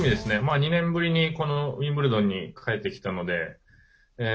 ２年ぶりに、このウィンブルドンに帰ってきたので。